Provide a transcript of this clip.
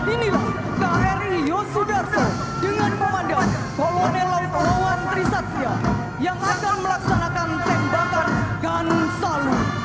inilah kri yosudarso dengan komandan kolonel laut rawan trisatria yang akan melaksanakan tembakan gansalu